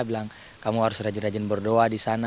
bilang kamu harus rajin rajin berdoa di sana